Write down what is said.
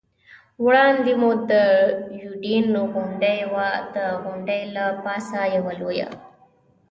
وړاندې مو د یوډین غونډۍ وه، د غونډۍ له پاسه یوه لویه.